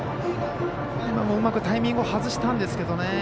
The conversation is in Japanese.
今もうまくタイミングを外したんですけどね